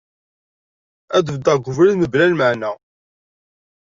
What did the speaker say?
Ad beddeɣ deg ubrid mebla lmaɛna.